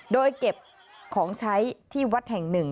โดยเก็บของใช้ที่วัดแห่งหนึ่ง